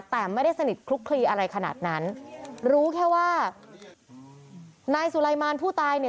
แต่ไม่ได้สนิทคลุกคลีอะไรขนาดนั้นรู้แค่ว่านายสุไลมารผู้ตายเนี่ย